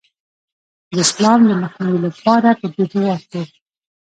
د اسلام د مخنیوي لپاره پدې هیواد کې